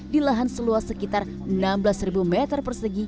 di lahan seluas sekitar enam belas ribu meter